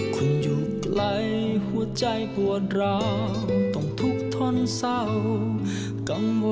ที่จะฟื้นฟูให้กลับสู่สภาพปกติครับ